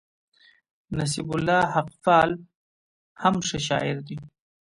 نصيب الله حقپال هم ښه شاعر دئ.